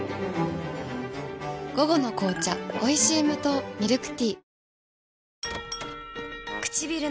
午後の紅茶おいしい無糖ミルクティー